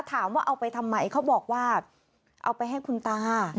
ถามว่าเอาไปทำไมเขาบอกว่าเอาไปให้คุณตา